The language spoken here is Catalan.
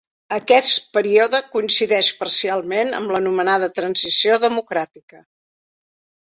Aquest període coincideix parcialment amb l'anomenada transició democràtica.